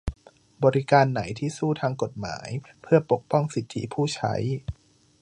บริการไหนที่สู้ทางกฎหมายเพื่อปกป้องสิทธิผู้ใช้